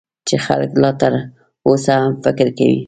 چې خلک لا تر اوسه هم فکر کوي .